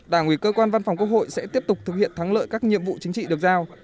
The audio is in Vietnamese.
đảng ủy cơ quan văn phòng quốc hội sẽ tiếp tục thực hiện thắng lợi các nhiệm vụ chính trị được giao